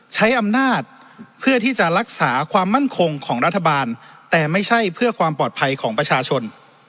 ใช้อำนาจเพื่อที่จะรักษาความมั่นคงของรัฐบาลแต่ไม่ใช่เพื่อความปลอดภัยของประชาชน